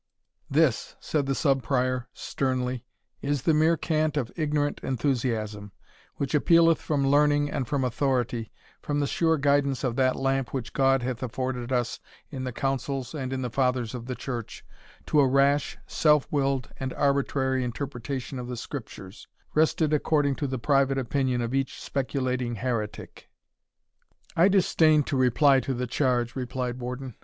"This," said the Sub Prior, sternly, "is the mere cant of ignorant enthusiasm, which appealeth from learning and from authority, from the sure guidance of that lamp which God hath afforded us in the Councils and in the Fathers of the Church, to a rash, self willed, and arbitrary interpretation of the Scriptures, wrested according to the private opinion of each speculating heretic." "I disdain to reply to the charge," replied Warden.